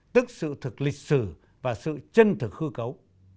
tức sự thực lịch sử và sự chân thực hư cấu